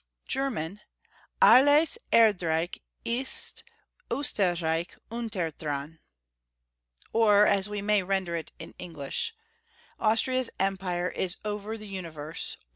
German — Alles erdreich ist Oesterreicli unthertban. Or, as we may render it in English — Austria's Empire is over [the] universe.